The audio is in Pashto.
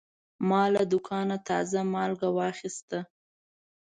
ما له دوکانه تازه مالګه واخیسته.